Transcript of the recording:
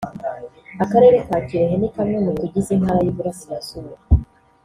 Akarere ka Kirehe ni kamwe mu tugize Intara y’Iburasirazuba